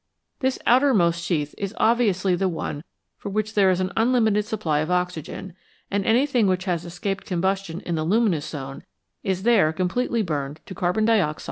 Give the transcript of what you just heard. This outermost sheath is obviously the one for which there is an unlimited supply of oxygen, and anything which has escaped combustion in the luminous zone is there completely burned to carbon dioxide and water.